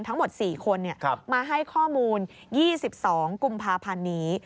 ทั้งหมด๔คนมาให้ข้อมูล๒๒กุมภาพันธ์นี้